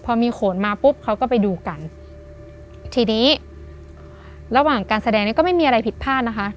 พอมีโขนมาปุ๊บเขาก็ไปดูกันทีนี้ระหว่างการแสดงนี้ก็ไม่มีอะไรผิดพลาดนะคะ